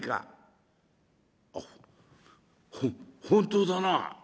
「あっほ本当だな。